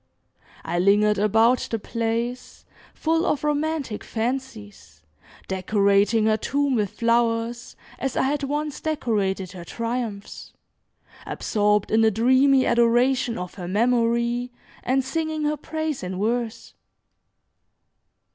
I lingered about the place, full of romantic fancies, decorating her tomb with flowers, as I had once decorated her triumphs, absorbed in a dreamy adoration of her memory, and singing her praise in verse.